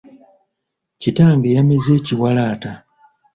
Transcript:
Kitange yameze ekiwalaata.